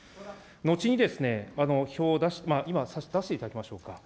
のちに、今、出していただきましょうか。